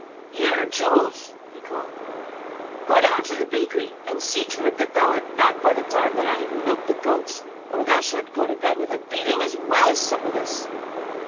"Here, Jules," he called. "Go down to the bakery, and see to it that thou art back by the time that I have milked the goats, or thou shalt go to bed with a beating, as well as supperless.